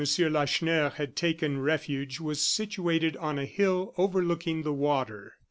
Lacheneur had taken refuge was situated on a hill overlooking the water.